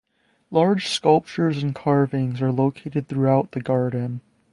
Large sculptures and carvings are located throughout the garden.